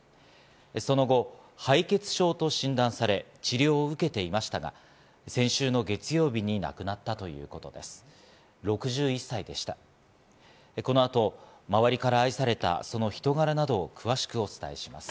その後、敗血症と診断され、治療を受けていましたが、先週の月曜日に亡くなったということです。